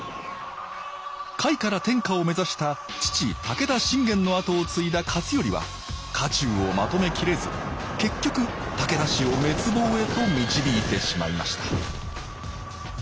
甲斐から天下を目指した父武田信玄の跡を継いだ勝頼は家中をまとめきれず結局武田氏を滅亡へと導いてしまいました